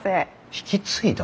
引き継いだ？